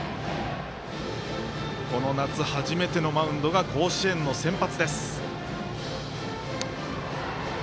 この夏初めてのマウンドが甲子園の先発。